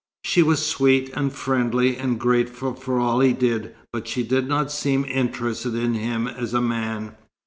She was sweet and friendly, and grateful for all he did, but she did not seem interested in him as a man.